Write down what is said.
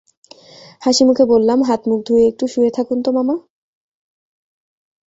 হাসিমুখে বললাম, হাত-মুখ ধুয়ে একটু শুয়ে থাকুন তো মামা।